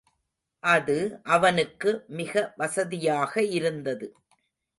அது அவனுக்கு மிக வசதியாக இருந்தது.